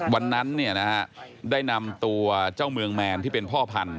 วันนั้นได้นำตัวเจ้าเมืองแมนที่เป็นพ่อพันธ